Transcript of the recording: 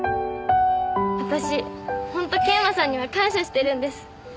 私本当桂馬さんには感謝してるんです。